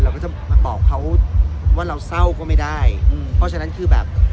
เราก็จะมาตอบเขาว่าเราเศร้าก็ไม่ได้อืมเพราะฉะนั้นคือแบบ